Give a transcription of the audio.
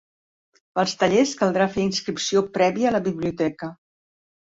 Pels tallers caldrà fer inscripció prèvia a la Biblioteca.